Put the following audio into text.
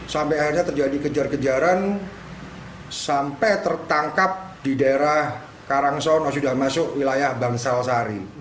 sampai akhirnya terjadi kejar kejaran sampai tertangkap di daerah karangsono sudah masuk wilayah bangsal sari